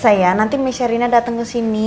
saya nanti mesirina dateng kesini